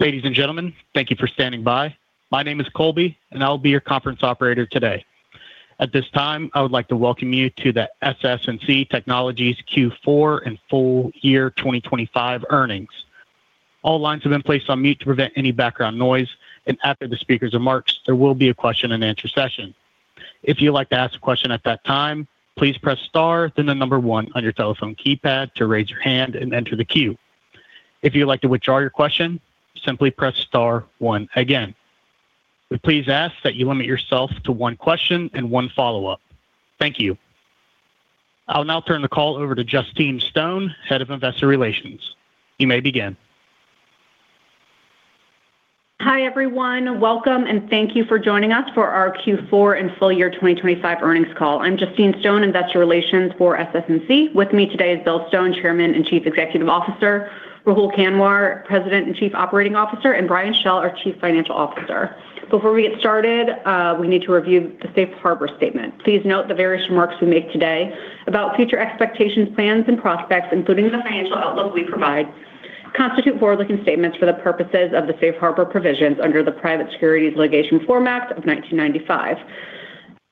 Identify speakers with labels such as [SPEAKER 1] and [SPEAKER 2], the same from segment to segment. [SPEAKER 1] Ladies and gentlemen, thank you for standing by. My name is Colby, and I'll be your conference operator today. At this time, I would like to welcome you to the SS&C Technologies Q4 and Full Year 2025 Earnings. All lines have been placed on mute to prevent any background noise, and after the speakers' remarks, there will be a question-and-answer session. If you'd like to ask a question at that time, please press star then the number one on your telephone keypad to raise your hand and enter the queue. If you'd like to withdraw your question, simply press star one again. We please ask that you limit yourself to one question and one follow-up. Thank you. I'll now turn the call over to Justine Stone, Head of Investor Relations. You may begin.
[SPEAKER 2] Hi, everyone. Welcome, and thank you for joining us for our Q4 and full year 2025 earnings call. I'm Justine Stone, Investor Relations for SS&C. With me today is Bill Stone, Chairman and Chief Executive Officer; Rahul Kanwar, President and Chief Operating Officer; and Brian Schell, our Chief Financial Officer. Before we get started, we need to review the Safe Harbor statement. Please note the various remarks we make today about future expectations, plans, and prospects, including the financial outlook we provide, constitute forward-looking statements for the purposes of the Safe Harbor provisions under the Private Securities Litigation Reform Act of 1995.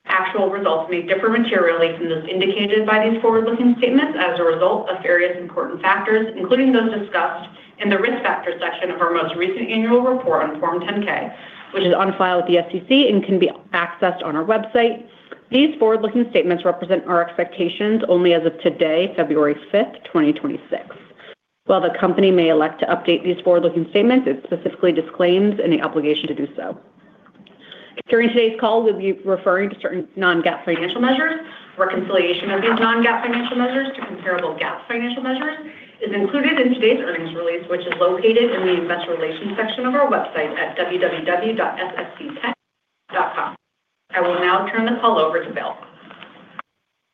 [SPEAKER 2] Actual results may differ materially from those indicated by these forward-looking statements as a result of various important factors, including those discussed in the risk factor section of our most recent annual report on Form 10-K, which is on file at the SEC and can be accessed on our website. These forward-looking statements represent our expectations only as of today, February 5, 2026. While the company may elect to update these forward-looking statements, it specifically disclaims any obligation to do so. During today's call, we'll be referring to certain non-GAAP financial measures. Reconciliation of these non-GAAP financial measures to comparable GAAP financial measures is included in today's earnings release, which is located in the investor relations section of our website at www.ssctech.com. I will now turn the call over to Bill.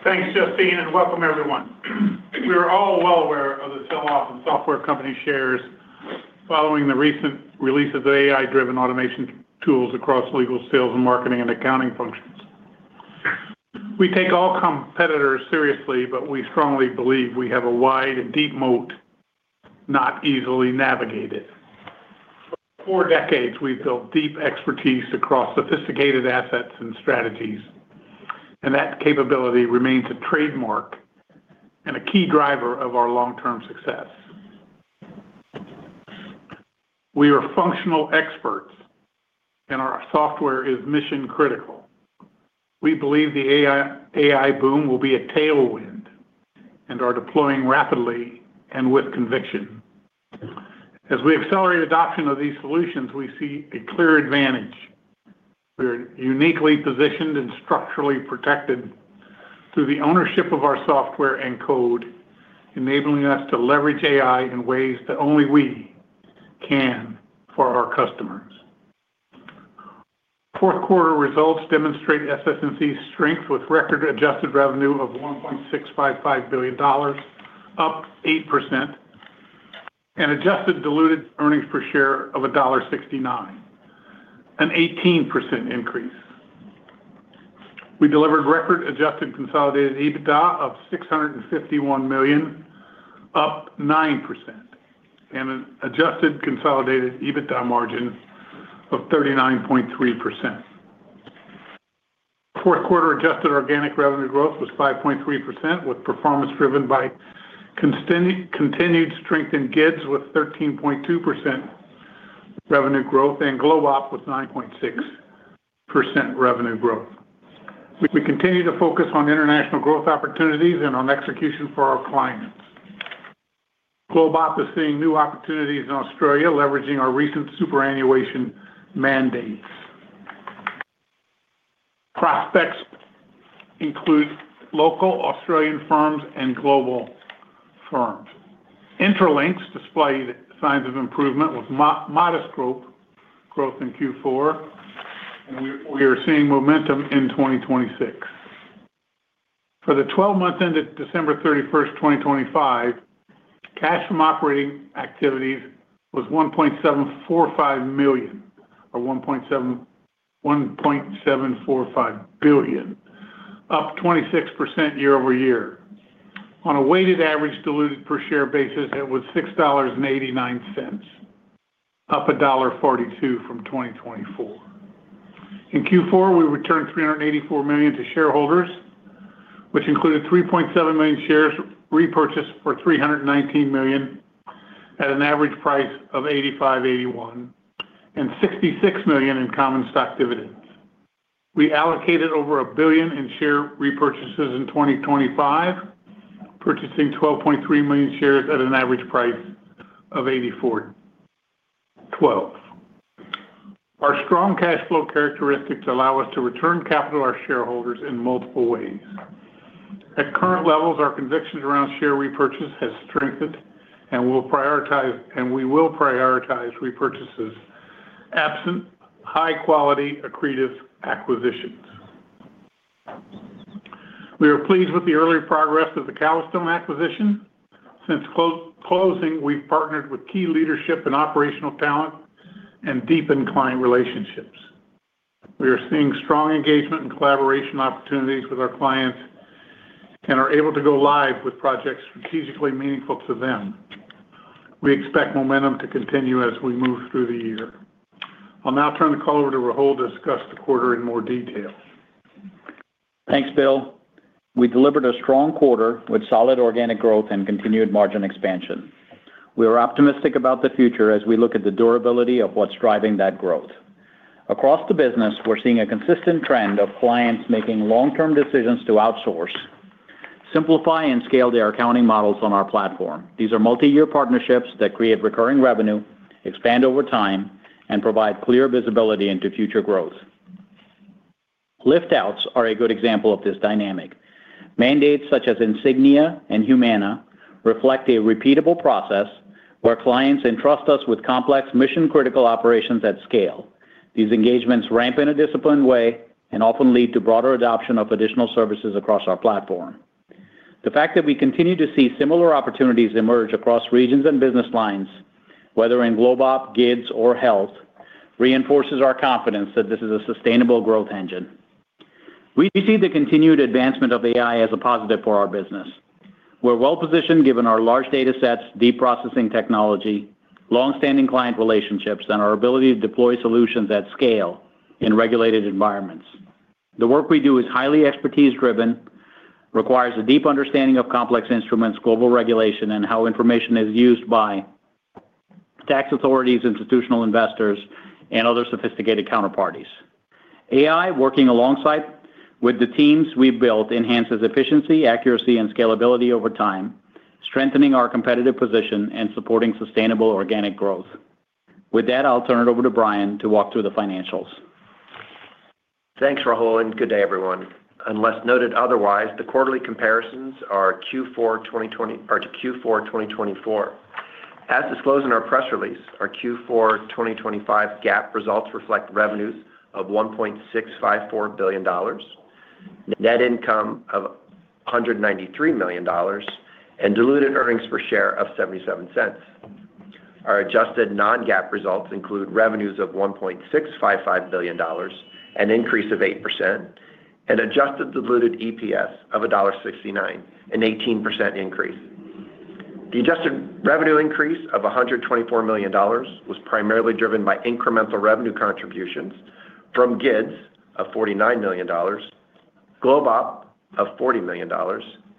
[SPEAKER 3] Thanks, Justine, and welcome, everyone. We are all well aware of the sell-off in software company shares following the recent release of the AI-driven automation tools across legal, sales, and marketing, and accounting functions. We take all competitors seriously, but we strongly believe we have a wide and deep moat, not easily navigated. For decades, we've built deep expertise across sophisticated assets and strategies, and that capability remains a trademark and a key driver of our long-term success. We are functional experts, and our software is mission-critical. We believe the AI, AI boom will be a tailwind and are deploying rapidly and with conviction. As we accelerate adoption of these solutions, we see a clear advantage. We're uniquely positioned and structurally protected through the ownership of our software and code, enabling us to leverage AI in ways that only we can for our customers. Fourth quarter results demonstrate SS&C's strength with record adjusted revenue of $1.655 billion, up 8%, and adjusted diluted earnings per share of $1.69, an 18% increase. We delivered record adjusted consolidated EBITDA of $651 million, up 9%, and an adjusted consolidated EBITDA margin of 39.3%. Fourth quarter adjusted organic revenue growth was 5.3%, with performance driven by continued strength in GIDS, with 13.2% revenue growth and GlobeOp with 9.6% revenue growth. We continue to focus on international growth opportunities and on execution for our clients. GlobeOp is seeing new opportunities in Australia, leveraging our recent superannuation mandates. Prospects include local Australian firms and global firms. Intralinks displayed signs of improvement, with modest growth in Q4, and we are seeing momentum in 2026. For the twelve-month end of December 31, 2025, cash from operating activities was $1.745 billion, up 26% year-over-year. On a weighted average diluted per share basis, it was $6.89, up $1.42 from 2024. In Q4, we returned $384 million to shareholders, which included 3.7 million shares repurchased for $319 million at an average price of $85.81, and $66 million in common stock dividends. We allocated over $1 billion in share repurchases in 2025, purchasing 12.3 million shares at an average price of $84.12. Our strong cash flow characteristics allow us to return capital to our shareholders in multiple ways. At current levels, our conviction around share repurchase has strengthened, and we will prioritize repurchases, absent high-quality, accretive acquisitions. We are pleased with the early progress of the Calastone acquisition. Since closing, we've partnered with key leadership and operational talent and deepened client relationships. We are seeing strong engagement and collaboration opportunities with our clients and are able to go live with projects strategically meaningful to them. We expect momentum to continue as we move through the year. I'll now turn the call over to Rahul to discuss the quarter in more detail.
[SPEAKER 4] Thanks, Bill. We delivered a strong quarter with solid organic growth and continued margin expansion. We are optimistic about the future as we look at the durability of what's driving that growth. Across the business, we're seeing a consistent trend of clients making long-term decisions to outsource, simplify, and scale their accounting models on our platform. These are multi-year partnerships that create recurring revenue, expand over time, and provide clear visibility into future growth. Lift-outs are a good example of this dynamic. Mandates such as Insignia and Humana reflect a repeatable process where clients entrust us with complex mission-critical operations at scale. These engagements ramp in a disciplined way and often lead to broader adoption of additional services across our platform. The fact that we continue to see similar opportunities emerge across regions and business lines, whether in GlobeOp, GIDS, or health, reinforces our confidence that this is a sustainable growth engine. We see the continued advancement of AI as a positive for our business. We're well-positioned, given our large data sets, deep processing technology, long-standing client relationships, and our ability to deploy solutions at scale in regulated environments. The work we do is highly expertise-driven, requires a deep understanding of complex instruments, global regulation, and how information is used by tax authorities, institutional investors, and other sophisticated counterparties. AI, working alongside with the teams we've built, enhances efficiency, accuracy, and scalability over time, strengthening our competitive position and supporting sustainable organic growth. With that, I'll turn it over to Brian to walk through the financials.
[SPEAKER 5] Thanks, Rahul, and good day, everyone. Unless noted otherwise, the quarterly comparisons are Q4 2023 to Q4 2024. As disclosed in our press release, our Q4 2024 GAAP results reflect revenues of $1.654 billion, net income of $193 million, and diluted earnings per share of $0.77. Our adjusted non-GAAP results include revenues of $1.655 billion, an increase of 8%, and adjusted diluted EPS of $1.69, an 18% increase. The adjusted revenue increase of $124 million was primarily driven by incremental revenue contributions from GIDS of $49 million, GlobeOp of $40 million,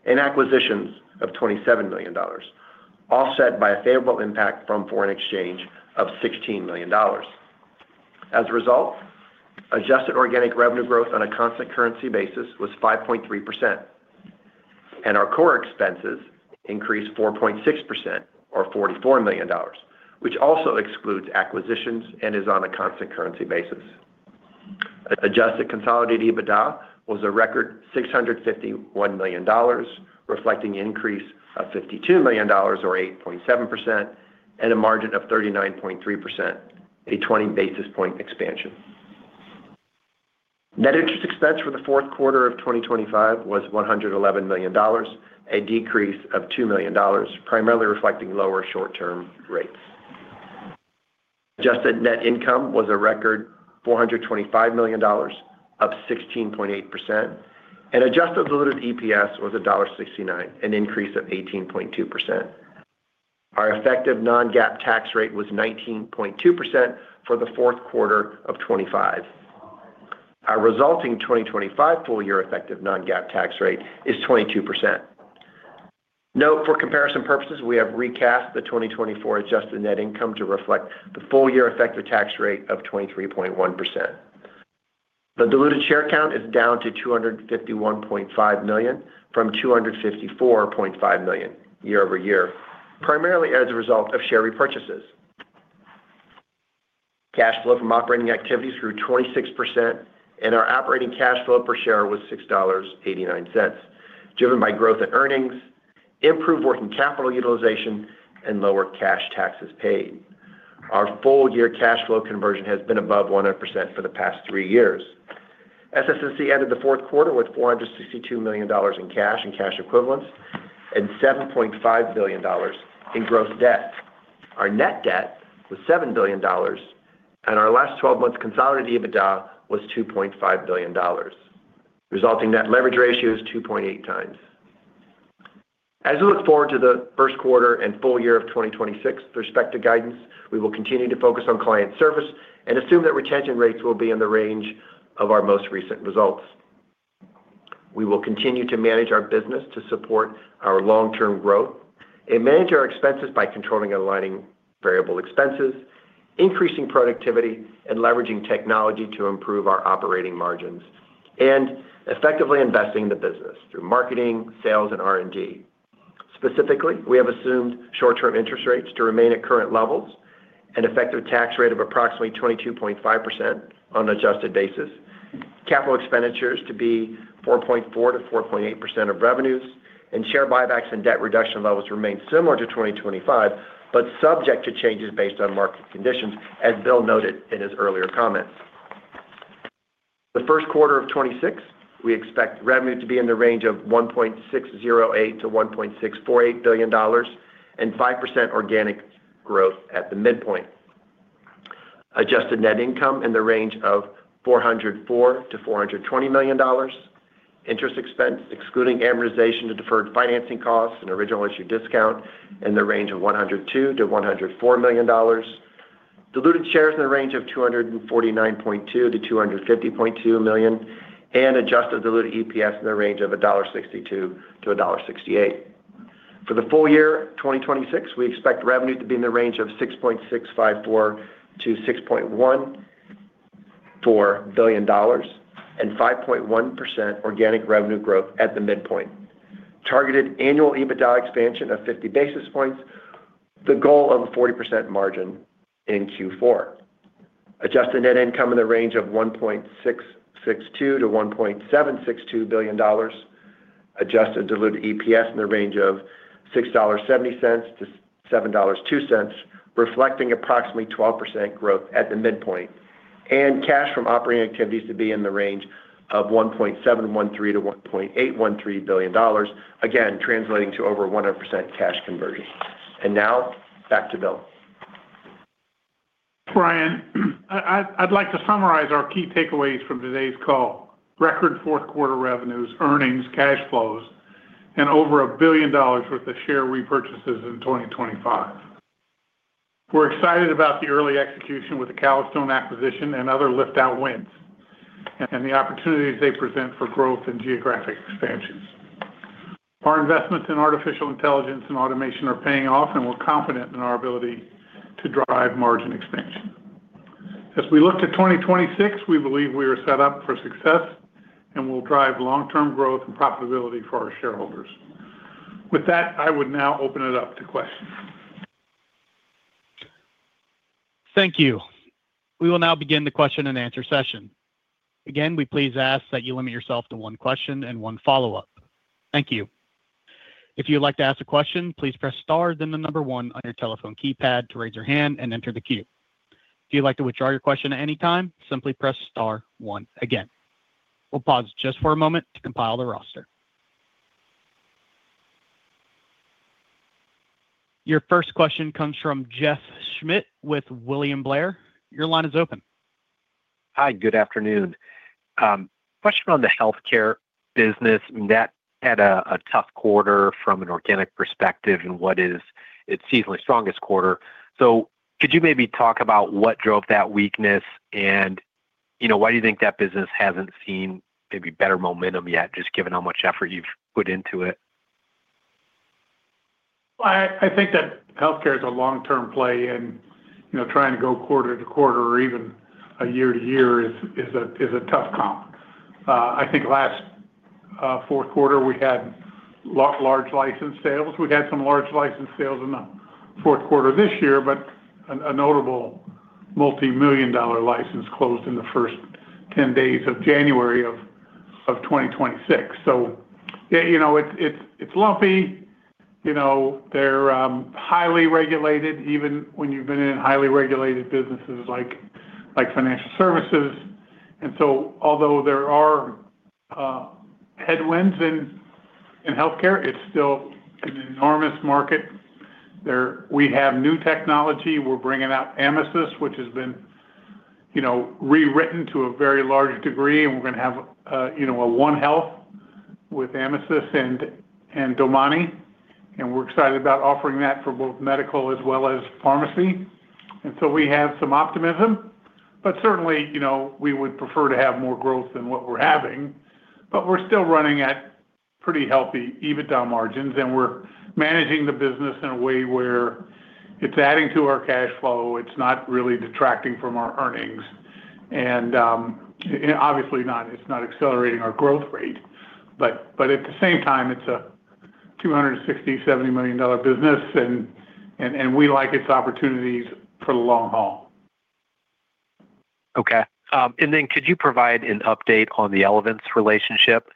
[SPEAKER 5] and acquisitions of $27 million, offset by a favorable impact from foreign exchange of $16 million. As a result, adjusted organic revenue growth on a constant currency basis was 5.3%, and our core expenses increased 4.6%, or $44 million, which also excludes acquisitions and is on a constant currency basis. Adjusted consolidated EBITDA was a record $651 million, reflecting an increase of $52 million, or 8.7%, and a margin of 39.3%, a 20 basis point expansion. Net interest expense for the fourth quarter of 2025 was $111 million, a decrease of $2 million, primarily reflecting lower short-term rates. Adjusted net income was a record $425 million, up 16.8%, and adjusted diluted EPS was $1.69, an increase of 18.2%. Our effective non-GAAP tax rate was 19.2% for the fourth quarter of 2025. Our resulting 2025 full year effective non-GAAP tax rate is 22%. Note, for comparison purposes, we have recast the 2024 adjusted net income to reflect the full year effective tax rate of 23.1%. The diluted share count is down to 251.5 million from 254.5 million year-over-year, primarily as a result of share repurchases. Cash flow from operating activities grew 26%, and our operating cash flow per share was $6.89, driven by growth in earnings, improved working capital utilization, and lower cash taxes paid. Our full-year cash flow conversion has been above 100% for the past three years. SS&C ended the fourth quarter with $462 million in cash and cash equivalents and $7.5 billion in gross debt. Our net debt was $7 billion, and our last twelve months consolidated EBITDA was $2.5 billion. Resulting net leverage ratio is 2.8 times. As we look forward to the first quarter and full year of 2026 prospective guidance, we will continue to focus on client service and assume that retention rates will be in the range of our most recent results. We will continue to manage our business to support our long-term growth and manage our expenses by controlling and aligning variable expenses, increasing productivity, and leveraging technology to improve our operating margins, and effectively investing in the business through marketing, sales, and R&D. Specifically, we have assumed short-term interest rates to remain at current levels, an effective tax rate of approximately 22.5% on an adjusted basis, capital expenditures to be 4.4%-4.8% of revenues, and share buybacks and debt reduction levels remain similar to 2025, but subject to changes based on market conditions, as Bill noted in his earlier comments. The first quarter of 2026, we expect revenue to be in the range of $1.608 billion-$1.648 billion and 5% organic growth at the midpoint. Adjusted net income in the range of $404 million-$420 million. Interest expense, excluding amortization of deferred financing costs and original issue discount, in the range of $102 million-$104 million. Diluted shares in the range of 249.2-250.2 million, and adjusted diluted EPS in the range of $1.62-$1.68. For the full year 2026, we expect revenue to be in the range of $6.65-$6.74 billion and 5.1% organic revenue growth at the midpoint. Targeted annual EBITDA expansion of 50 basis points. The goal of a 40% margin in Q4. Adjusted net income in the range of $1.662-$1.762 billion. Adjusted diluted EPS in the range of $6.70-$7.02, reflecting approximately 12% growth at the midpoint, and cash from operating activities to be in the range of $1.713 billion-$1.813 billion, again, translating to over 100% cash conversion. Now, back to Bill.
[SPEAKER 3] Brian, I'd like to summarize our key takeaways from today's call. Record fourth quarter revenues, earnings, cash flows, and over $1 billion worth of share repurchases in 2025. We're excited about the early execution with the Calastone acquisition and other lift-out wins, and the opportunities they present for growth and geographic expansions. Our investments in artificial intelligence and automation are paying off, and we're confident in our ability to drive margin expansion. As we look to 2026, we believe we are set up for success, and we'll drive long-term growth and profitability for our shareholders. With that, I would now open it up to questions.
[SPEAKER 1] Thank you. We will now begin the question and answer session. Again, we please ask that you limit yourself to one question and one follow-up. Thank you. If you'd like to ask a question, please press star, then the number one on your telephone keypad to raise your hand and enter the queue. If you'd like to withdraw your question at any time, simply press star one again. We'll pause just for a moment to compile the roster. Your first question comes from Jeff Schmitt with William Blair. Your line is open.
[SPEAKER 6] Hi, good afternoon. Question on the healthcare business. That had a tough quarter from an organic perspective and what is its seasonally strongest quarter. So could you maybe talk about what drove that weakness and, you know, why do you think that business hasn't seen maybe better momentum yet, just given how much effort you've put into it?
[SPEAKER 3] Well, I think that healthcare is a long-term play and, you know, trying to go quarter to quarter or even a year to year is a tough comp. I think last fourth quarter, we had large license sales. We've had some large license sales in the fourth quarter this year, but a notable multimillion-dollar license closed in the first 10 days of January of 2026. So, yeah, you know, it's lumpy. You know, they're highly regulated, even when you've been in highly regulated businesses like financial services. And so although there are headwinds in healthcare, it's still an enormous market. There. We have new technology. We're bringing out Amisys, which has been, you know, rewritten to a very large degree, and we're gonna have a, you know, a OneHealth with Amisys and, and DomaniRx, and we're excited about offering that for both medical as well as pharmacy. And so we have some optimism, but certainly, you know, we would prefer to have more growth than what we're having. But we're still running at pretty healthy EBITDA margins, and we're managing the business in a way where it's adding to our cash flow, it's not really detracting from our earnings. And, and obviously not, it's not accelerating our growth rate, but, but at the same time, it's a $260-$270 million business, and, and, and we like its opportunities for the long haul.
[SPEAKER 6] Okay. And then could you provide an update on the Elevance relationship?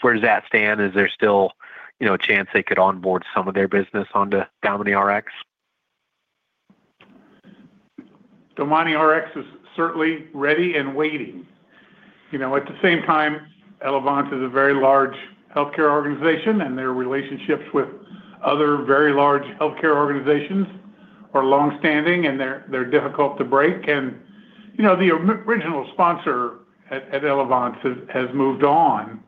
[SPEAKER 6] Where does that stand? Is there still, you know, a chance they could onboard some of their business onto DomaniRx?
[SPEAKER 3] DomaniRx is certainly ready and waiting. You know, at the same time, Elevance is a very large healthcare organization, and their relationships with other very large healthcare organizations are longstanding, and they're difficult to break. And, you know, the original sponsor at Elevance has moved on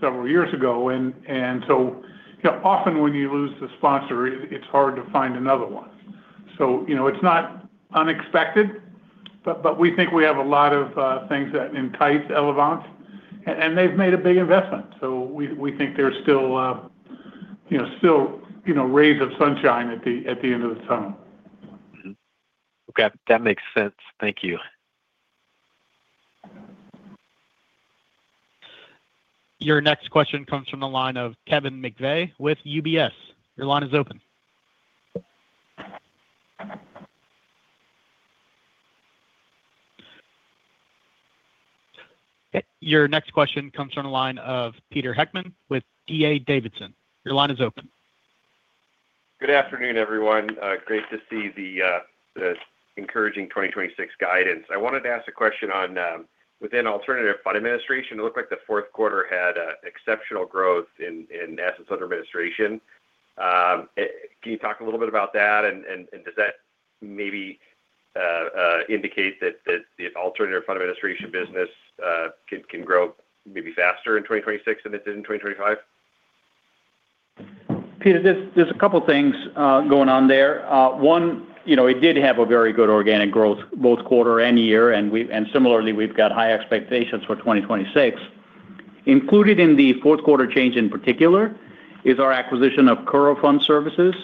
[SPEAKER 3] several years ago, and so, you know, often when you lose the sponsor, it's hard to find another one. So, you know, it's not unexpected, but we think we have a lot of things that entice Elevance, and they've made a big investment, so we think there's still, you know, still, you know, rays of sunshine at the end of the tunnel.
[SPEAKER 6] Okay, that makes sense. Thank you.
[SPEAKER 1] Your next question comes from the line of Kevin McVeigh with UBS. Your line is open. Your next question comes from the line of Peter Heckmann with D.A. Davidson. Your line is open.
[SPEAKER 7] Good afternoon, everyone. Great to see the encouraging 2026 guidance. I wanted to ask a question on within alternative fund administration. It looked like the fourth quarter had exceptional growth in assets under administration. Can you talk a little bit about that? Does that maybe indicate that the alternative fund administration business can grow maybe faster in 2026 than it did in 2025?
[SPEAKER 4] Peter, there's a couple things going on there. One, you know, it did have a very good organic growth, both quarter and year, and similarly, we've got high expectations for 2026. Included in the fourth quarter change, in particular, is our acquisition of Curo Fund Services.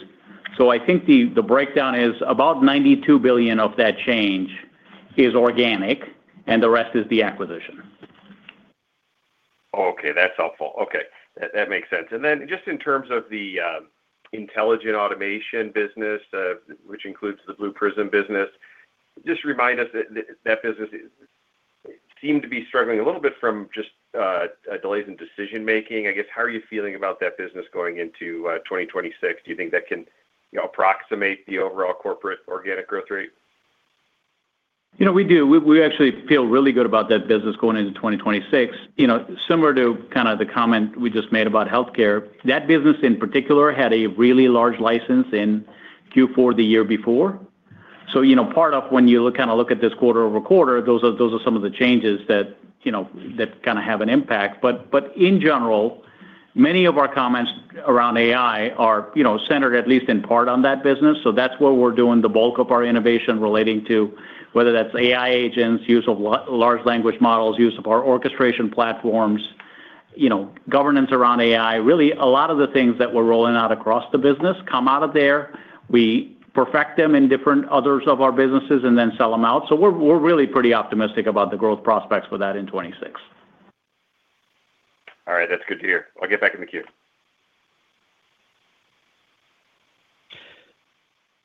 [SPEAKER 4] So I think the breakdown is about $92 billion of that change is organic, and the rest is the acquisition.
[SPEAKER 7] Okay, that's helpful. Okay, that makes sense. And then just in terms of the intelligent automation business, which includes the Blue Prism business, just remind us that that business seemed to be struggling a little bit from just delays in decision making. I guess, how are you feeling about that business going into 2026? Do you think that can, you know, approximate the overall corporate organic growth rate?
[SPEAKER 4] You know, we do. We actually feel really good about that business going into 2026. You know, similar to kind of the comment we just made about healthcare, that business, in particular, had a really large license in Q4 the year before. So, you know, part of when you look, kind of look at this quarter-over-quarter, those are some of the changes that, you know, that kind of have an impact. But in general, many of our comments around AI are, you know, centered at least in part on that business. So that's where we're doing the bulk of our innovation relating to, whether that's AI agents, use of large language models, use of our orchestration platforms, you know, governance around AI. Really, a lot of the things that we're rolling out across the business come out of there. We perfect them in different other areas of our businesses and then sell them out. So we're, we're really pretty optimistic about the growth prospects for that in 2026.
[SPEAKER 7] All right. That's good to hear. I'll get back in the queue.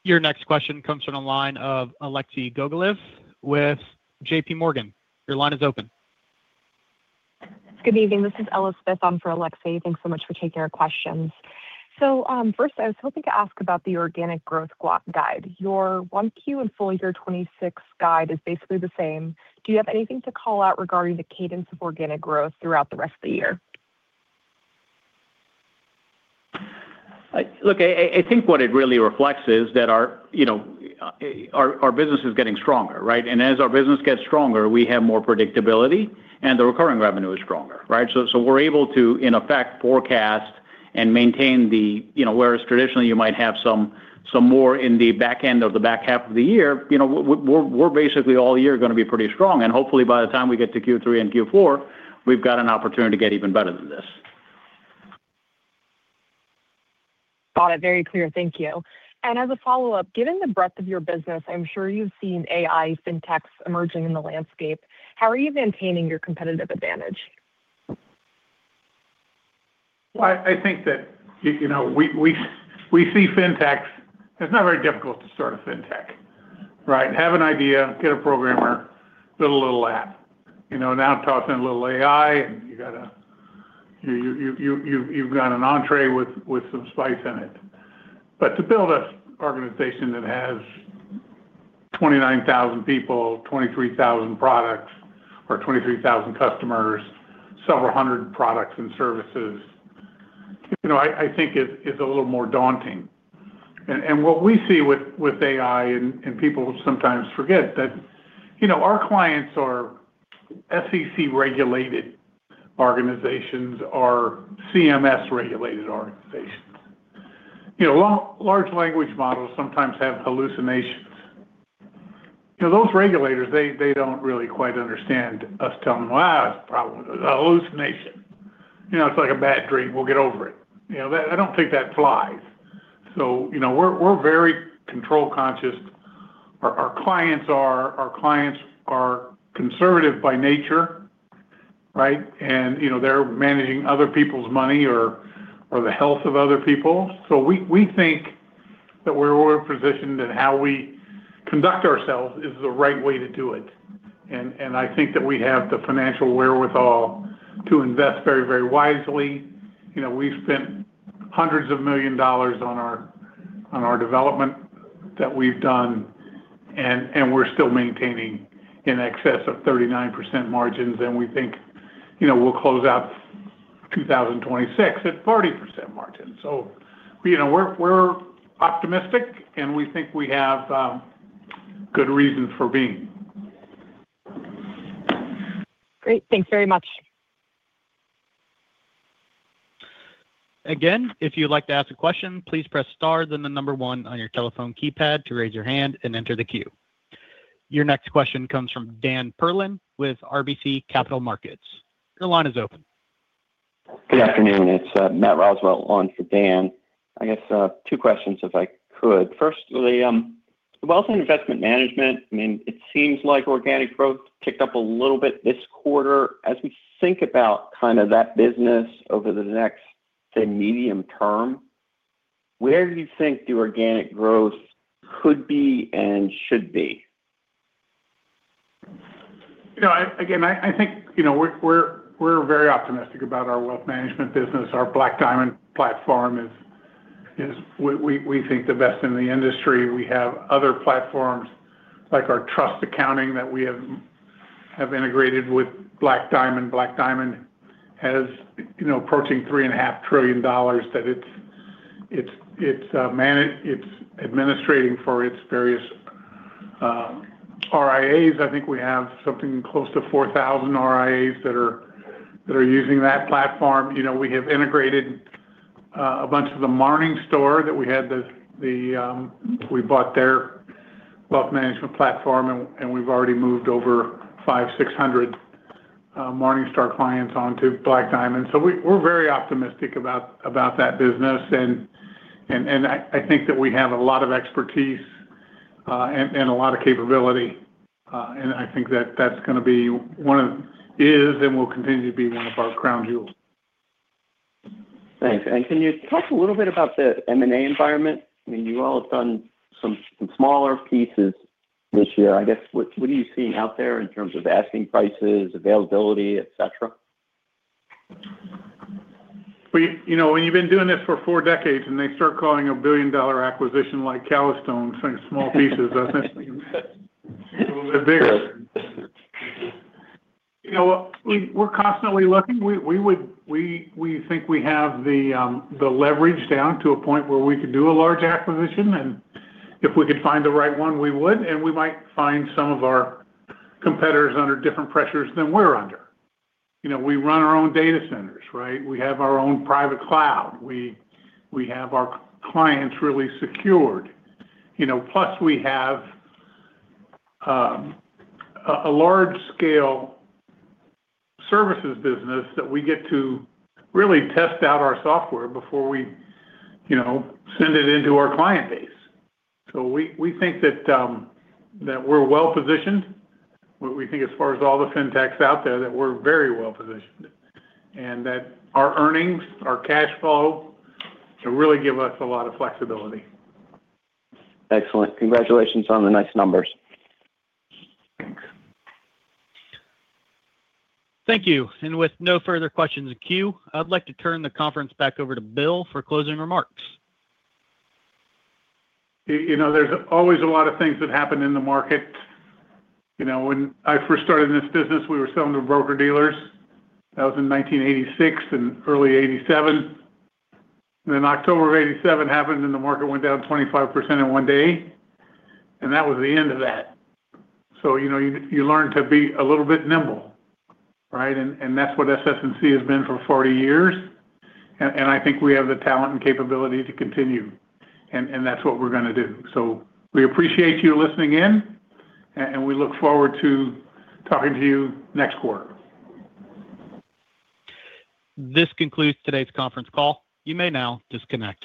[SPEAKER 1] Your next question comes from the line of Alexei Gogolev with JPMorgan. Your line is open.
[SPEAKER 8] Good evening. This is Ella Smith on for Alexei. Thanks so much for taking our questions. First, I was hoping to ask about the organic growth guide. Your Q1 and full-year 2026 guide is basically the same. Do you have anything to call out regarding the cadence of organic growth throughout the rest of the year?
[SPEAKER 4] Look, I think what it really reflects is that our business is getting stronger, right? And as our business gets stronger, we have more predictability, and the recurring revenue is stronger, right? So we're able to, in effect, forecast and maintain the... You know, whereas traditionally you might have some more in the back end of the back half of the year, you know, we're basically all year gonna be pretty strong. And hopefully, by the time we get to Q3 and Q4, we've got an opportunity to get even better than this.
[SPEAKER 8] Got it. Very clear. Thank you. As a follow-up, given the breadth of your business, I'm sure you've seen AI fintechs emerging in the landscape. How are you maintaining your competitive advantage?
[SPEAKER 3] Well, I think that, you know, we see fintechs. It's not very difficult to start a fintech, right? Have an idea, get a programmer, build a little app. You know, now toss in a little AI, and you've got an entrée with some spice in it. But to build an organization that has 29,000 people, 23,000 products or 23,000 customers, several hundred products and services, you know, I think it is a little more daunting. And what we see with AI, and people sometimes forget that, you know, our clients are SEC-regulated organizations or CMS-regulated organizations. You know, large language models sometimes have hallucinations. You know, those regulators, they don't really quite understand us telling them, "Well, it's a problem, a hallucination." You know, it's like a bad dream. We'll get over it. You know, that—I don't think that flies. So, you know, we're, we're very control conscious. Our, our clients are, our clients are conservative by nature, right? And, you know, they're managing other people's money or, or the health of other people. So we, we think that we're well-positioned, and how we conduct ourselves is the right way to do it. And, and I think that we have the financial wherewithal to invest very, very wisely. You know, we've spent hundreds of millions of dollars on our, on our development that we've done, and, and we're still maintaining in excess of 39% margins, and we think, you know, we'll close out 2026 at 40% margin. So, you know, we're, we're optimistic, and we think we have good reasons for being.
[SPEAKER 8] Great. Thanks very much.
[SPEAKER 1] Again, if you'd like to ask a question, please press star, then the number 1 on your telephone keypad to raise your hand and enter the queue. Your next question comes from Dan Perlin with RBC Capital Markets. Your line is open.
[SPEAKER 9] Good afternoon. It's Matt Roswell on for Dan. I guess two questions, if I could. Firstly, wealth and investment management, I mean, it seems like organic growth ticked up a little bit this quarter. As we think about kind of that business over the next, say, medium term, where do you think the organic growth could be and should be?
[SPEAKER 3] You know, again, I think, you know, we're very optimistic about our wealth management business. Our Black Diamond platform is, we think, the best in the industry. We have other platforms, like our trust accounting, that we have integrated with Black Diamond. Black Diamond has, you know, approaching $3.5 trillion that it's administrating for its various RIAs. I think we have something close to 4,000 RIAs that are using that platform. You know, we have integrated a bunch of the Morningstar that we had, we bought their wealth management platform, and we've already moved over 500-600 Morningstar clients onto Black Diamond. So we're very optimistic about that business. I think that we have a lot of expertise and a lot of capability. I think that that's gonna be one of is and will continue to be one of our crown jewels.
[SPEAKER 9] Thanks. And can you talk a little bit about the M&A environment? I mean, you all have done some smaller pieces this year. I guess, what are you seeing out there in terms of asking prices, availability, et cetera?
[SPEAKER 3] Well, you know, when you've been doing this for four decades and they start calling a billion-dollar acquisition like Calastone, saying small pieces, that's a little bit bigger. You know what? We're constantly looking. We would—we think we have the leverage down to a point where we could do a large acquisition, and if we could find the right one, we would. And we might find some of our competitors under different pressures than we're under. You know, we run our own data centers, right? We have our own private cloud. We have our clients really secured. You know, plus we have a large-scale services business that we get to really test out our software before we, you know, send it into our client base. So we think that we're well-positioned. We think as far as all the fintechs out there, that we're very well-positioned, and that our earnings, our cash flow, can really give us a lot of flexibility.
[SPEAKER 9] Excellent. Congratulations on the nice numbers.
[SPEAKER 3] Thanks.
[SPEAKER 1] Thank you. With no further questions in the queue, I'd like to turn the conference back over to Bill for closing remarks.
[SPEAKER 3] You know, there's always a lot of things that happen in the market. You know, when I first started in this business, we were selling to broker-dealers. That was in 1986 and early 1987. And then October of 1987 happened, and the market went down 25% in one day, and that was the end of that. So, you know, you learn to be a little bit nimble, right? And that's what SS&C has been for 40 years. And I think we have the talent and capability to continue, and that's what we're gonna do. So we appreciate you listening in, and we look forward to talking to you next quarter.
[SPEAKER 1] This concludes today's conference call. You may now disconnect.